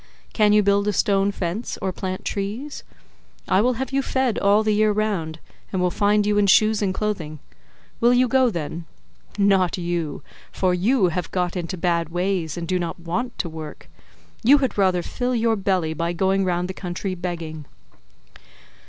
Can you build a stone fence, or plant trees? I will have you fed all the year round, and will find you in shoes and clothing. Will you go, then? Not you; for you have got into bad ways, and do not want to work; you had rather fill your belly by going round the country begging."